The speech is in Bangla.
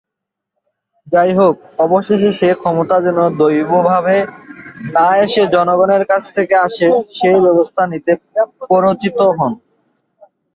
যাইহোক, অবশেষে সে ক্ষমতা যেন দৈব ভাবে না এসে জনগনের কাছ থেকে আসে, সেই ব্যবস্থা নিতে প্ররোচিত হন।